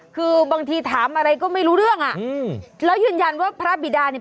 คือบางทีถามอะไรก็ไม่รู้เรื่องอ่ะอืมแล้วยืนยันว่าพระบิดาเนี่ย